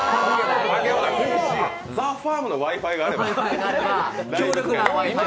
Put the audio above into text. ＴＨＥＦＡＲＭのＷｉ−Ｆｉがあれば。